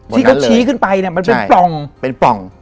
ที่เขาชี้ขึ้นไปเนี่ยมันเป็นปล่อง